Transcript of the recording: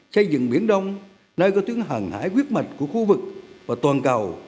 xây dựng biển đông nơi có tuyến hàng hải quyết mạch của khu vực và toàn cầu